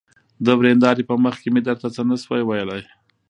د ويندارې په مخکې مې درته څه نشوى ويلى.